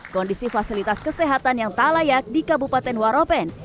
kondisi fasilitas kesehatan yang tak layak di kabupaten waropen